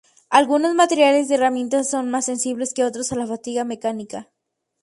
Algunos materiales de herramientas son más sensibles que otros a la fatiga mecánica.